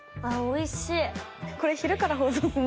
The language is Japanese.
おいしい！